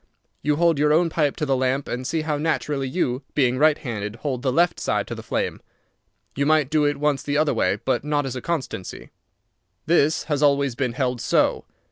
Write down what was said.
You hold your own pipe to the lamp, and see how naturally you, being right handed, hold the left side to the flame. You might do it once the other way, but not as a constancy. This has always been held so.